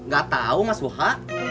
gak tau mas boka